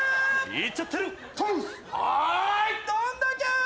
いっちゃってるー。